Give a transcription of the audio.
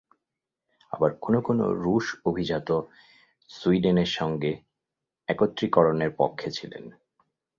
আবার কোনো কোনো রুশ অভিজাত সুইডেনের সঙ্গে একত্রীকরণের পক্ষে ছিলেন।